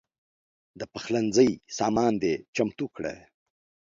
د پخلنځي سامان دې چمتو کړه.